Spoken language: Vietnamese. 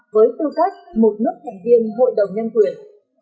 với tư cách một nước thành viên hội đồng nhân quyền